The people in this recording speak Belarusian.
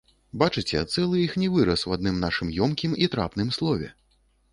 Бачыце, цэлы іхні выраз у адным нашым ёмкім і трапным слове.